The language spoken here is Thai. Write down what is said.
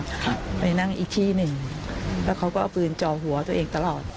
ครับไปนั่งอีกที่หนึ่งแล้วเขาก็เอาปืนจ่อหัวตัวเองตลอด